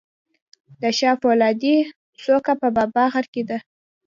د شاه فولادي څوکه په بابا غر کې ده